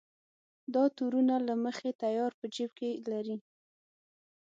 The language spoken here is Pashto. دا تورونه له مخکې تیار په جېب کې لري.